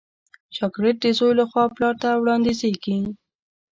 چاکلېټ د زوی له خوا پلار ته وړاندیزېږي.